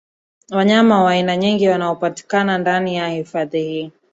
Wanyama wa aina nyingi wanaopatikana ndani ya hifadhi hii